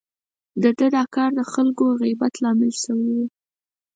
د ده دا کار د خلکو د غيبت لامل شوی و.